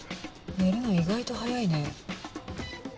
寝るの意外と早いね。